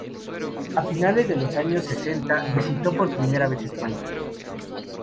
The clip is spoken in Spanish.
A finales de los años sesenta visitó por primera vez España.